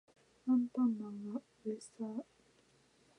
アンパンマンはおれっさー